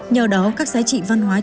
nhờ đó các giá trị văn hóa chuyển